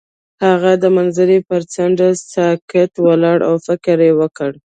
هغه د منظر پر څنډه ساکت ولاړ او فکر وکړ.